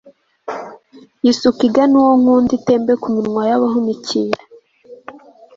yisuke igana uwo nkunda, itembe ku minwa y'abahunikira